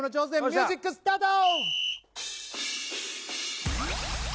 ミュージックスタート！